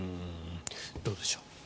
どうでしょう。